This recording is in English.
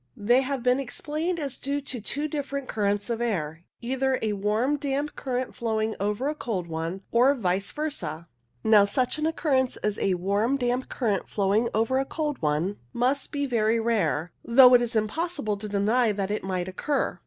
They have been explained as due to two different currents of air, either a warm damp current flowing over a cold one, or vice versa. Now, such an occurrence as a warm damp current flowing over a cold one must be very rare, though it is impossible to deny that it might occur.